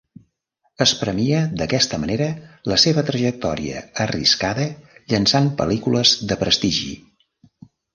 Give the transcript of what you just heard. Es premia d'aquesta manera la seva trajectòria arriscada llançant pel·lícules de prestigi.